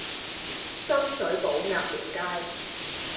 深水埗鴨寮街